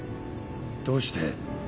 どうして？